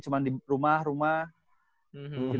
cuma di rumah rumah gitu kan